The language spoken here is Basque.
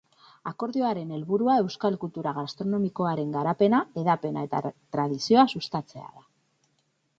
Akordioaren helburua euskal kultura gastronomikoaren garapena, hedapena eta tradizioa sustatzea da.